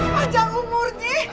ini panjang umurnya